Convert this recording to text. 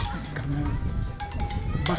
karena babi luar negara